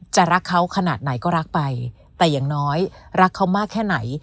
รักเขาขนาดไหนก็รักไปแต่อย่างน้อยรักเขามากแค่ไหน